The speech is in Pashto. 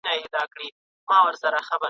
تاله کوم ځایه راوړي دا کیسې دي ..